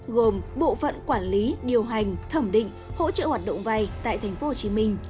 gồm bộ phận quản lý điều hành thẩm định hỗ trợ hoạt động vay tại tp hcm